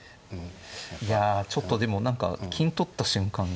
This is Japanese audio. いやちょっとでも何か金取った瞬間が。